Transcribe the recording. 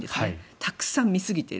たくさん見すぎている。